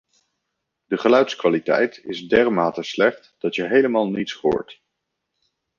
De geluidskwaliteit is dermate slecht, dat je helemaal niets hoort.